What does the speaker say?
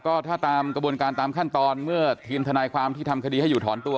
ก็ถ้าตามกระบวนการตามขั้นตอนเมื่อทีมทนายความที่ทำคดีให้อยู่ถอนตัว